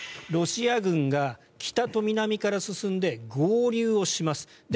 ロシア軍が北と南から進んで合流をします。